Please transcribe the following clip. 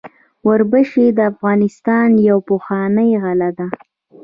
وربشې د افغانستان یوه پخوانۍ غله ده.